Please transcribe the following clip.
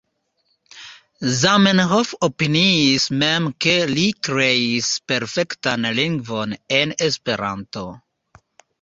Zamenhof opiniis mem ke li kreis perfektan lingvon en Esperanto.